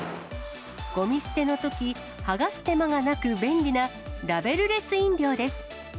ごみ捨てのとき、剥がす手間がなく、便利な、ラベルレス飲料です。